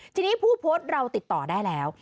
ทีนี้ผู้โพสต์เราติดต่อได้แล้ว